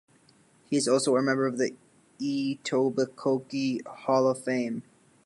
He is also a member of the Etobicoke Hall of Fame.